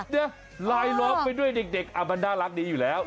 เดี๋ยวลายล้อมไปด้วยเด็กมันน่ารักดีอยู่แล้ว